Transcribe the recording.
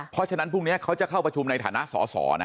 เพราะฉะนั้นพรุ่งนี้เขาจะเข้าประชุมในฐานะสอสอนะ